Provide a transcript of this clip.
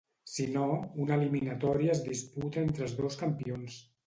Si no, una eliminatòria es disputa entre els dos campions.